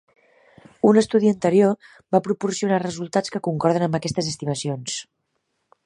Un estudi anterior va proporcionar resultats que concorden amb aquestes estimacions.